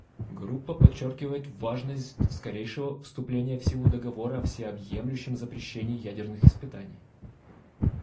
Группа подчеркивает важность скорейшего вступления в силу Договора о всеобъемлющем запрещении ядерных испытаний.